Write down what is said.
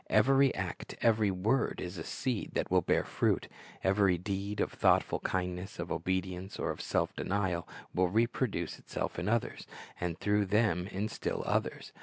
Every act, every word, is a seed that wnll bear fruit. Every deed of thoughtful kindness, of obedience, or of self denial, will reproduce itself in others, and through them in still others.